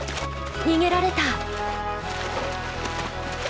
逃げられた！